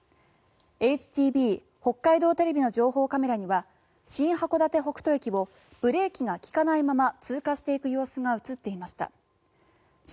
ＨＴＢ北海道テレビの情報カメラには新函館北斗駅をブレーキが利かないまま通過していく様子が映っていました。